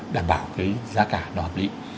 đảm bảo cái giá cả nó hợp lý